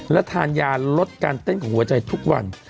และทานยาลดการเต้นของหัวใจทุกวัน